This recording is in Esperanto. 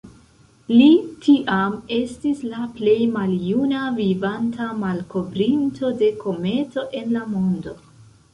Li tiam estis la plej maljuna vivanta malkovrinto de kometo en la mondo.